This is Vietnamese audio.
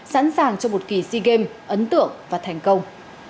sẵn sàng cho một kỳ sea games ấn tượng và thành công